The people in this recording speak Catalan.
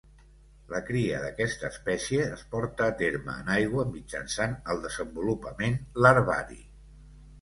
La cria d'aquesta espècie es porta a terme en aigua mitjançant el desenvolupament larvari.